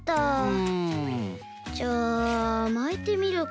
うん。じゃあまいてみるか。